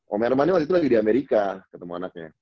om mermani waktu itu lagi di amerika ketemu anaknya